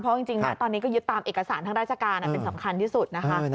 เพราะจริงนะตอนนี้ก็ยึดตามเอกสารทางราชการเป็นสำคัญที่สุดนะคะ